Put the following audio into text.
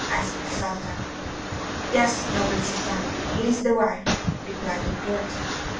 asked the Sultan. "Yes, noble Sultan; it is the wife," replied the porter.